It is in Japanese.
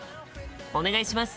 お願いします。